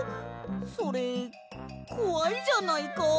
それこわいじゃないか。